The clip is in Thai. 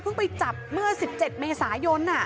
เพิ่งไปจับเมื่อ๑๗เมษายน